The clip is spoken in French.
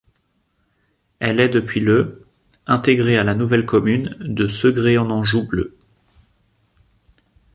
Elle est depuis le intégrée à la nouvelle commune de Segré-en-Anjou Bleu.